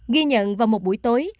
ghi nhận vào một buổi tối